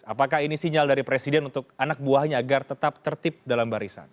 apakah ini sinyal dari presiden untuk anak buahnya agar tetap tertib dalam barisan